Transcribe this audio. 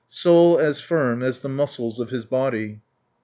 Soul as firm as the muscles of his body.